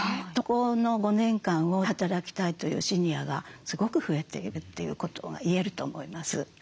そこの５年間を働きたいというシニアがすごく増えているということが言えると思います。